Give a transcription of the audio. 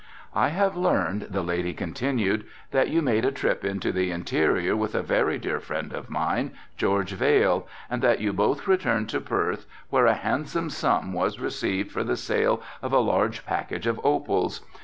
"I have learned," the lady continued, "that you made a trip into the interior with a very dear friend of mine, George Vail, and that you both returned to Perth, where a handsome sum was received for the sale of a large package of opals.